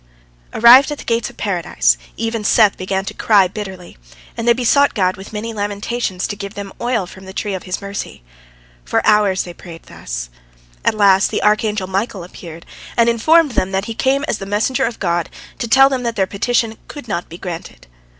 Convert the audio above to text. Arrived at the gates of Paradise, Eve and Seth began to cry bitterly, and they besought God with many lamentations to give them oil from the tree of His mercy. For hours they prayed thus. At last the archangel Michael appeared, and informed them that he came as the messenger of God to tell them that their petition could not be granted.